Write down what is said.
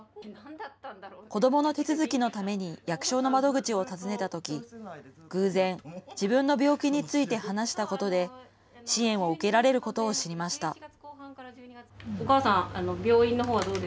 子どもの手続きのために役所の窓口を訪ねたとき偶然、自分の病気について話したことで支援を受けられることを知りました。